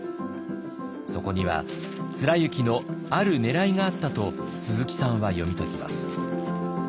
そこには貫之のあるねらいがあったと鈴木さんは読み解きます。